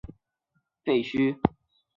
该镇拥有著名的瑞米耶日修道院废墟。